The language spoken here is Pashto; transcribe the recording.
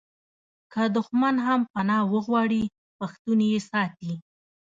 که دښمن هم پنا وغواړي پښتون یې ساتي.